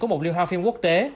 của một liên hoan phim quốc tế